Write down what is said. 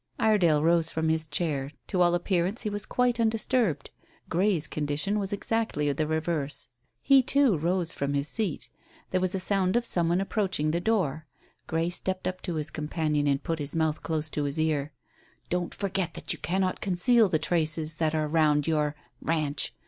Iredale rose from his chair; to all appearance he was quite undisturbed. Grey's condition was exactly the reverse. He, too, rose from his seat. There was a sound of some one approaching the door. Grey stepped up to his companion and put his mouth close to his ear. "Don't forget that you cannot conceal the traces that are round your ranch.